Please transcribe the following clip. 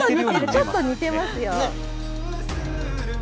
ちょっと似てますよ。